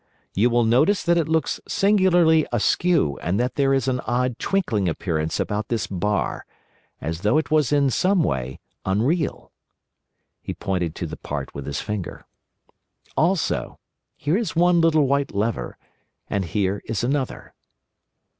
You will notice that it looks singularly askew, and that there is an odd twinkling appearance about this bar, as though it was in some way unreal." He pointed to the part with his finger. "Also, here is one little white lever, and here is another."